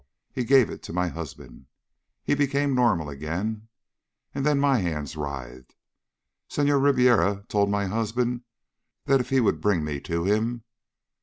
He gave it to my husband. He became normal again. And then my hands writhed. Senhor Ribiera told my husband that if he would bring me to him....